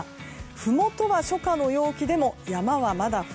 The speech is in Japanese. ふもとは、初夏の陽気でも山はまだ冬。